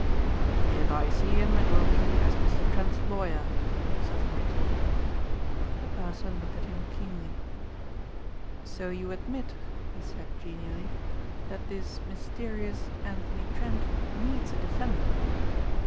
"If I see him it will be as Mr. Trent's lawyer," Sutton retorted. The purser looked at him keenly. "So you admit," he said genially, "that this mysterious Anthony Trent needs a defender?"